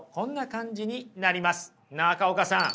中岡さん